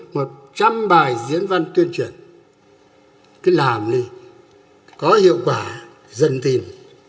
một trăm bài diễn văn tuyên truyền cứ làm đi có hiệu quả dân tin